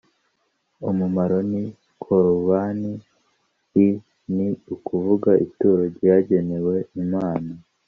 umumaro ni korubani i ni ukuvuga ituro ryagenewe imana